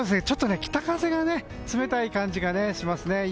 ちょっと北風が冷たい感じがしますね。